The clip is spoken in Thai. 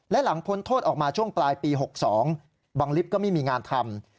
และหลังพ้นโทษออกมาช่วงปลายปี๖๒บังลิฟต์ก็ไม่มีงานทำ